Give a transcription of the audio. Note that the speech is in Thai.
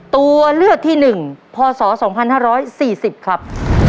ตัวเลือกที่หนึ่งพศสองพันห้าร้อยสี่สิบครับ